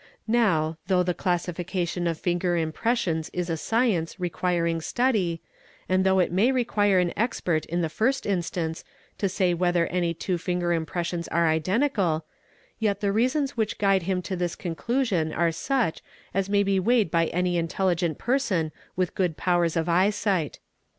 Now though the classification of finger impressions is a science requiring study, and though it may require an expert in the first instance to say | whether any two finger impressions are identical, yet the reasons which guide him to this conclusion are such as may be weighed by any intelli | gent person with good powers of eyesight.